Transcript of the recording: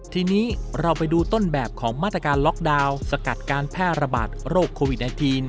ทีนี้เราไปดูต้นแบบของมาตรการล็อกดาวน์สกัดการแพร่ระบาดโรคโควิด๑๙